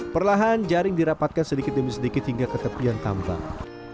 perlahan jaring dirapatkan sedikit demi sedikit hingga ke tepian tambang